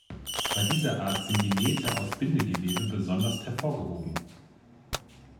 Bei dieser Art sind die Nähte aus Bindegewebe besonders hervorgehoben.